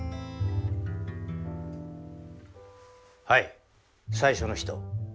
はい最初の人。